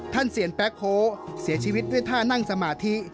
เสียนแป๊กโฮเสียชีวิตด้วยท่านั่งสมาธิ